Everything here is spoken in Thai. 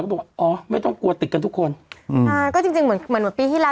บอกว่าอ๋อไม่ต้องกลัวติดกันทุกคนอืมอ่าก็จริงจริงเหมือนเหมือนปีที่แล้ว